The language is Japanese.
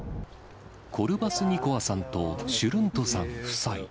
コルバスニコワさんとシュルントさん夫妻。